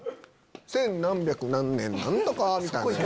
千何百何年何とかみたいなのやった？